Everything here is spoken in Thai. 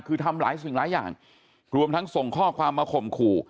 คือทำหลายสิ่งหลายอย่างรวมทั้งส่งข้อความมาข่มขู่